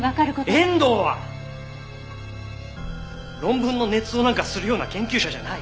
遠藤は論文の捏造なんかするような研究者じゃない。